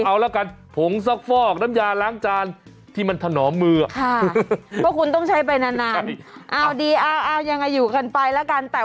ชั่งนิดหนึ่งเห็นไหมจริงเลือกชั่งผิดเนี้ยชีวิตเปลี่ยนเหมือนกัน